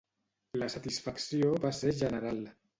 La satisfacció va ser general.